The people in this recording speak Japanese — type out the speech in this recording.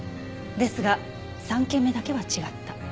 ですが３件目だけは違った。